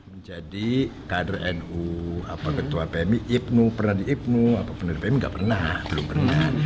menjadi kader nu apa ketua pmi ibnu pernah di ibnu apa pernah pmi nggak pernah belum pernah